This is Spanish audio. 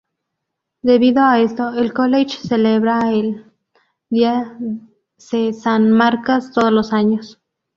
Debido a esto el college celebra el día se San Marcas todos los años.